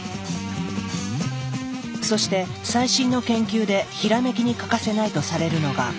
そして最新の研究でひらめきに欠かせないとされるのが。